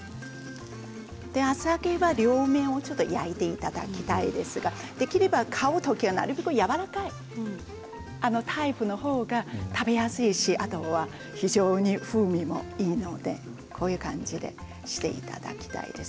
厚揚げは両面焼いていただきたいですが買うとき、なるべくやわらかいタイプのほうが食べやすいしあとは非常に風味もいいのでこういう感じにしていただきたいです。